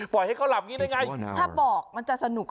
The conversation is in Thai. ปล่อยให้เขาหลับงี้น่ะไงถ้าบอกมันจะสนุกหรอ